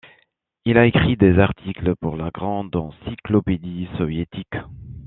Il a écrit des articles pour la Grande Encyclopédie soviétique.